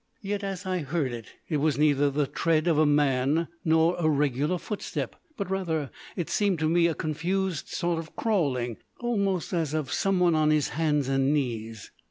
Yet, as I heard it, it was neither the tread of a man nor a regular footstep, but rather, it seemed to me, a confused sort of crawling, almost as of someone on his hands and knees.